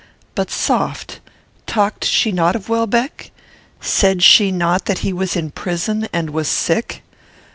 "But, soft! Talked she not of Welbeck? Said she not that he was in prison and was sick?